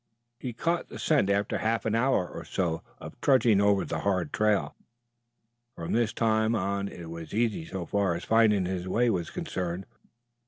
He caught the scent after half an hour or so of trudging over the hard trail. From this time on it was easy so far as finding his way was concerned.